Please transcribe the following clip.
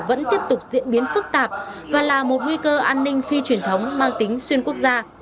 vẫn tiếp tục diễn biến phức tạp và là một nguy cơ an ninh phi truyền thống mang tính xuyên quốc gia